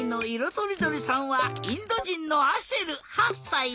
とりどりさんはインドじんのアシェル８さい。